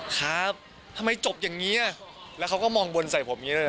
ครับทำไมจบอย่างนี้แล้วเขาก็มองบนใส่ผมอย่างนี้เลย